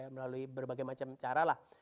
melalui berbagai macam cara lah